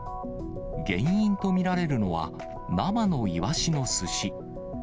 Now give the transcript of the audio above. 原因と見られるのは、生のイワシのすし。